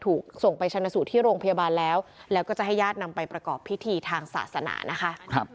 ถูกส่งไปชนะสูตรที่โรงพยาบาลแล้วแล้วก็จะให้ญาตินำไปประกอบพิธีทางศาสนานะคะ